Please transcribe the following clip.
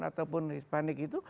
ataupun hispanik itu